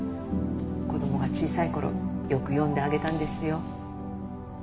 子供が小さい頃よく読んであげたんですよ。